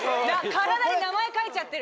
体に名前書いちゃってる。